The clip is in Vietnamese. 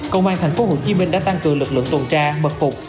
công an tp hcm đã tăng cường lực lượng tồn tra bật phục